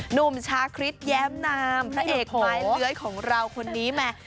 หนุ่มชาคริสแย้มนามพระเอกไม้เลื้อยของเราคนนี้แม่